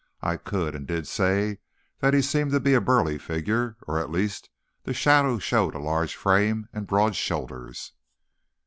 I could, and did say that he seemed to be a burly figure, or, at least, the shadow showed a large frame and broad shoulders.